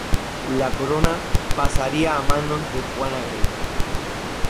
La corona pasaría a manos de Juana Grey.